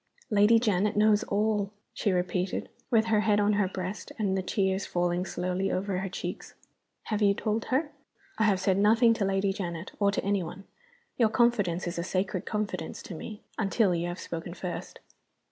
"Lady Janet knows all!" she repeated, with her head on her breast, and the tears falling slowly over her cheeks. "Have you told her?" "I have said nothing to Lady Janet or to any one. Your confidence is a sacred confidence to me, until you have spoken first."